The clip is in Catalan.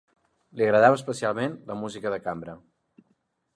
Li agradava especialment la música de cambra.